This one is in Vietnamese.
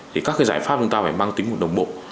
thì các cái giải pháp chúng ta phải mang tính một đồng bộ